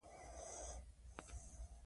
په خج کې کلک او سپک وېل کېږي.